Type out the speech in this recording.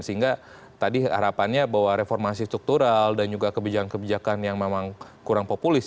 sehingga tadi harapannya bahwa reformasi struktural dan juga kebijakan kebijakan yang memang kurang populis